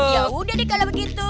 ya udah deh kalau begitu